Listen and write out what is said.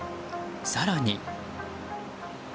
更に。